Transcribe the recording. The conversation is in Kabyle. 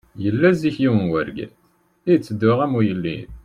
Yella zik yiwen n urgaz, yetteddu am ugellid.